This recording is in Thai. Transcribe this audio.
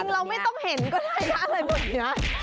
จริงเราไม่ต้องเห็นก็ได้อะไรหมดอย่างนี้